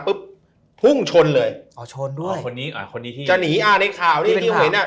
พุ่งชนเลยชนด้วยจะหนีอ่ะในข่าวที่เห็น